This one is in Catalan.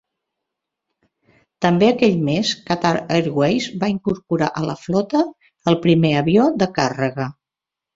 També aquell més, Qatar Airways va incorporar a la flota el primer avió de càrrega.